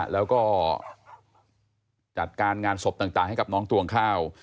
แล้วก็จัดการงานศพต่างให้กับน้องตวงข้าว